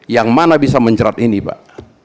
yang mana bisa menjerat ini pak